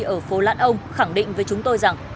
ở phố lãn ông khẳng định với chúng tôi rằng